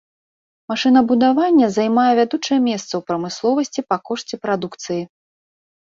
Машынабудаванне займае вядучае месца ў прамысловасці па кошце прадукцыі.